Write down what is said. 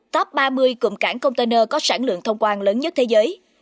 top ba mươi cụm cảng container có sản lượng thông quan lớn nhất thế giới